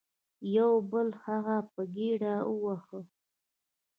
یو بل هغه په ګیډه وواهه.